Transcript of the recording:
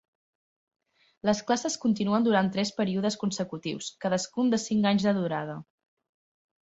Les classes continuen durant tres períodes consecutius, cadascun de cinc anys de durada.